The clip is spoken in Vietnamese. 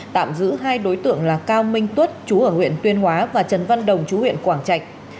tạm giữ hai đối tượng là cao minh tuất chú ở huyện tuyên hóa và trần văn đồng chú huyện quảng trạch